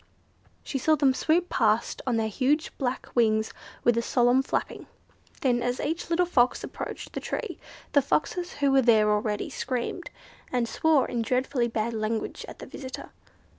She saw them swoop past on their huge black wings with a solemn flapping. Then, as each little Fox approached the tree, the Foxes who were there already screamed, and swore in dreadfully bad language at the visitor.